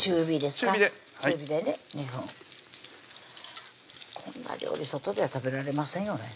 中火ではいこんな料理外では食べられませんよね